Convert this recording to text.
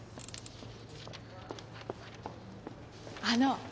あの。